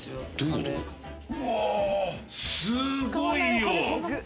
うわすごいよ！